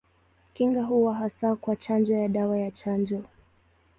Kinga huwa hasa kwa chanjo ya dawa ya chanjo.